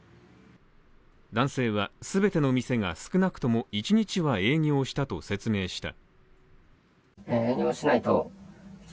男性は、全ての店が少なくとも１日は営業したと説明した。